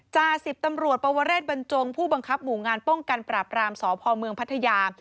จ่าสิบตำรวจปวเรชย์บรรจงผู้บังคับมูลงานป้องกันปรับรามสพพัฒนาธยา